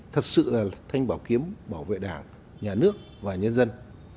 thật sự là thanh bảo kiếm bảo vệ đảng nhà nước và nhân dân